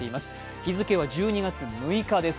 日付は１２月６日です。